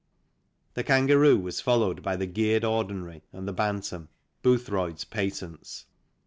The Kangaroo was followed by the geared ordinary and the Bantam, Boothroyd's patents.